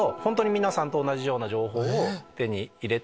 皆さんと同じような情報を手に入れて。